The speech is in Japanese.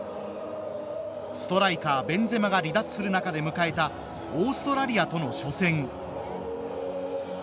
ストライカーベンゼマが離脱する中で迎えたオーストラリアとの初戦。